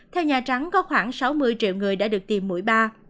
theo nhà trắng có khoảng sáu mươi triệu người đã được tìm mũi ba